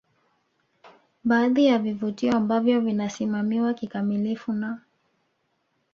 Baadhi ya vivutio ambavyo vinasimamiwa kikamilifu na